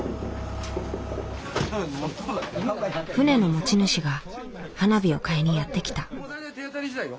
船の持ち主が花火を買いにやって来た。